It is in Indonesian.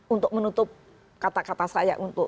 untuk menutup kata kata saya untuk